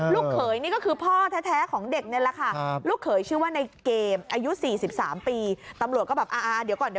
ลูกเขยนี่ก็คือพ่อแท้ของเด็กนี่ละค่ะ